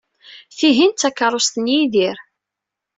Tihin d takeṛṛust n Yidir.